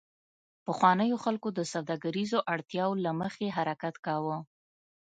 پخوانیو خلکو د سوداګریزو اړتیاوو له مخې حرکت کاوه